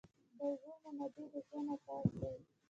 د اوبو منابع د ژوند اساس دي.